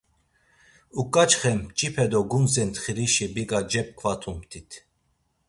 Uǩaçxe mç̌ipe do gundze ntxirişi biga cep̌ǩvatumt̆it.